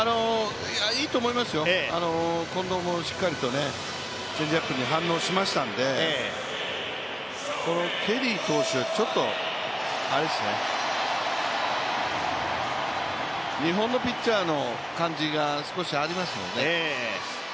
いいと思いますよ、近藤もしっかりとチェンジアップに反応しましたんで、このケリー投手ちょっとあれですね、日本のピッチャーの感じが少しありますよね。